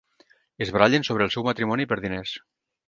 Es barallen sobre el seu matrimoni per diners.